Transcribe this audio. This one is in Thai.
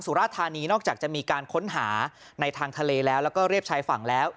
ราธานีนอกจากจะมีการค้นหาในทางทะเลแล้วแล้วก็เรียบชายฝั่งแล้ว